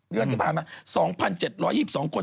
เดือนที่ผ่านมา๒๗๒๒คน